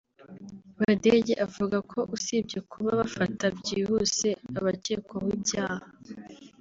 Badege avuga ko usibye kuba bafata byihuse abakekwaho ibyaha